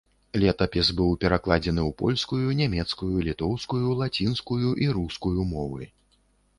Летапіс быў перакладзены ў польскую, нямецкую, літоўскую, лацінскую і рускую мовы.